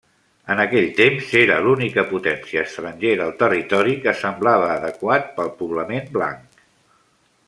En aquell temps, era l'única potència estrangera al territori que semblava adequat pel poblament blanc.